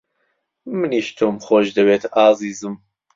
منیش تۆم خۆش دەوێت، ئازیزم.